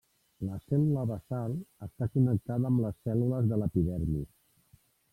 La cèl·lula basal està connectada amb les cèl·lules de l'epidermis.